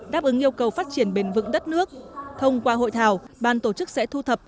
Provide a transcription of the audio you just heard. đáp ứng yêu cầu phát triển bền vững đất nước thông qua hội thảo ban tổ chức sẽ thu thập